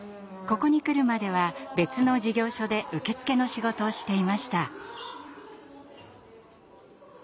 ここに来るまでは別の事業所で受付の仕事をしていました。